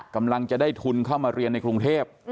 กำลังจะได้ทุนเข้ามาเรียนในกรุงเทพ